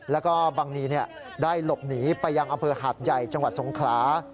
แล้วก็บังนีได้หลบหนีไปยังอำเภอหาดใหญ่จังหวัดสงขลา